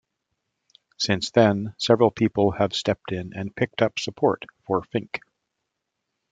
Since then, several people have stepped in and picked up support for Fink.